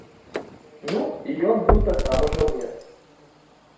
Ну, і ён быў таксама жаўнер.